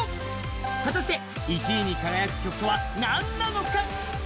果たして１位に輝く曲は何なのか？